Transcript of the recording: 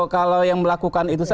kalau yang melakukan itu